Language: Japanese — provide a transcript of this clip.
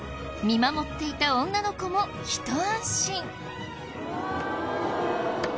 見守っていた女の子も一安心。